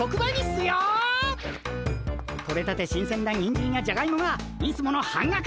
取れたて新鮮なにんじんやじゃがいもがいつもの半額！